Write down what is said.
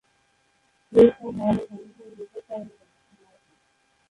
Credit card হারানোর সঙ্গে সঙ্গে রিপোর্ট করেননি কেন?